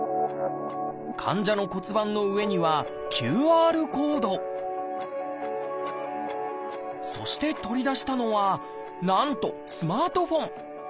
患者の骨盤の上にはＱＲコードそして取り出したのはなんとスマートフォン。